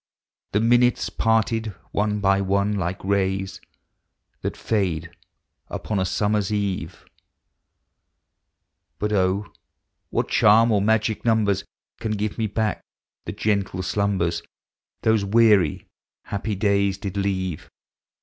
The minutes parting one by one, like rays That lade upon a summer's eve. 1 Jut <>. what charm or magic numbers Can give me hack the gentle slumbers Those weary, happy days riiri leave?